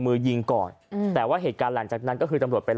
มือยิงก่อนอืมแต่ว่าเหตุการณ์หลังจากนั้นก็คือตำรวจเป็น